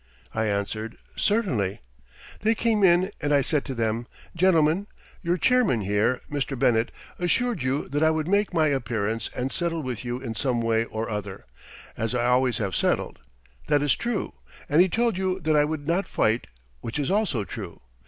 I answered: "Certainly!" They came in and I said to them: "Gentlemen, your chairman here, Mr. Bennett, assured you that I would make my appearance and settle with you in some way or other, as I always have settled. That is true. And he told you that I would not fight, which is also true.